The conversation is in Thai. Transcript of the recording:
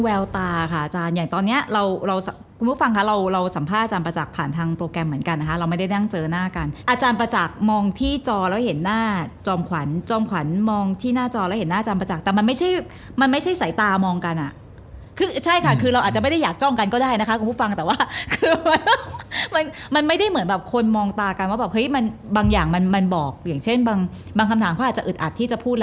ค่ะอาจารย์อย่างตอนเนี้ยเราเราคุณผู้ฟังค่ะเราเราสัมภาษาอาจารย์ประจักรผ่านทางโปรแกรมเหมือนกันนะคะเราไม่ได้นั่งเจอหน้ากันอาจารย์ประจักรมองที่จอแล้วเห็นหน้าจอมขวัญจอมขวัญมองที่หน้าจอแล้วเห็นหน้าอาจารย์ประจักรแต่มันไม่ใช่มันไม่ใช่สายตามองกันอ่ะคือใช่ค่ะคือเราอาจจะไม่ได้อยากจ้องกันก็ได้